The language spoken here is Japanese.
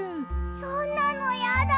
そんなのやだ。